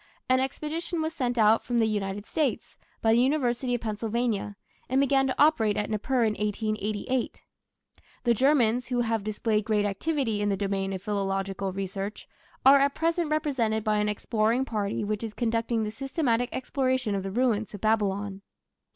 An expedition was sent out from the United States by the University of Pennsylvania, and began to operate at Nippur in 1888. The Germans, who have displayed great activity in the domain of philological research, are at present represented by an exploring party which is conducting the systematic exploration of the ruins of Babylon.